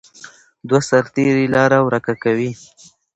دوه سرتیري لاره ورکه کوي.